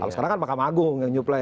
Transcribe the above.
sekarang kan mahkamah agung yang nyuplay